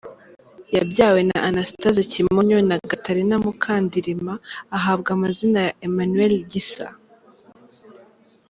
Yabyawe na Anastase Kimonyo na Gatarina Mukandirima, ahabwa amazina ya Emmanuel Gisa.